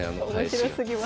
面白すぎます。